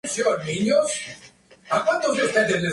Nadie ha sido capaz de conquistarlo.